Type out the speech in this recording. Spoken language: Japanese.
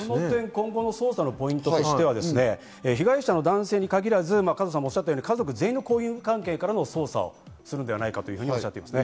今後の捜査のポイントとしては被害者の男性に限らず、家族全員の交友関係からの捜査をするのではないかとおっしゃっています。